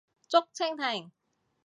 竹蜻蜓